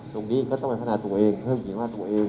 ตรงนี้เค้าต้องภันนาตัวเองเพิ่มธีนวาถตัวเอง